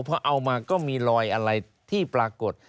พอเอามาก็มีรอยอะไรที่ปรากฏ